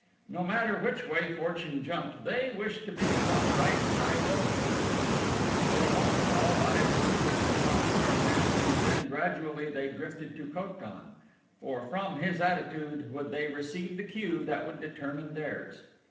No matter which way fortune jumped they wished to be upon the right side of the fence. For a moment all eyes were centered upon Tarzan and then gradually they drifted to Ko tan, for from his attitude would they receive the cue that would determine theirs.